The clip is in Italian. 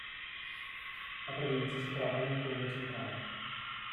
La provincia si trova nel Congo centrale.